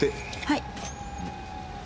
はい。